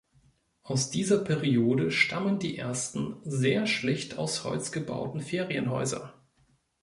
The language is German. Aus dieser Periode stammen die ersten, sehr schlicht aus Holz gebauten Ferienhäuser.